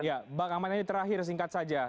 oke ya pak kamal ini terakhir singkat saja